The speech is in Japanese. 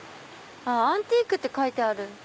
アンティークって書いてある。